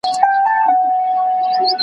په هرباب کي توپانونه .